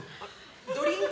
ドリンク